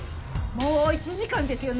もう１時間ですよ？